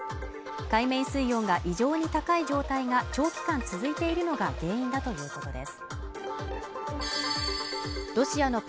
海面水温が異常に高い状態が長期間続いているのが原因だということです